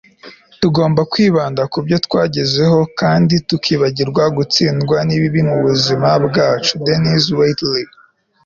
tugomba kwibanda ku byo twagezeho kandi tukibagirwa gutsindwa n'ibibi mu buzima bwacu - denis waitley